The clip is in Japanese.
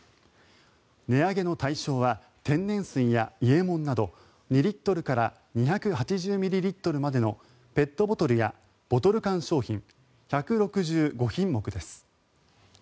値上げの対象は天然水や伊右衛門など２リットルから２８０ミリリットルまでのペットボトルやボトル缶商品１６５品目です。